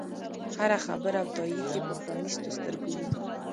هره خبره او تایید یې په پرانیستو سترګو وي.